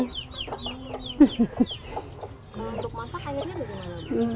untuk masak airnya bagaimana